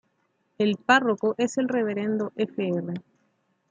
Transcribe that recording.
El párroco es el Reverendo Fr.